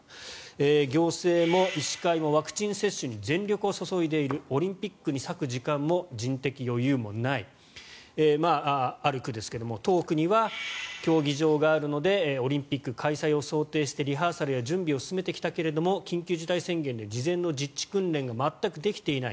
行政も医師会もワクチン接種に全力を注いでいるオリンピックに割く時間も人的余裕もないある区ですが当区には競技場があるのでオリンピック開催を想定してリハーサルや準備を進めてきたけれども緊急事態宣言で事前の実地訓練が全くできていない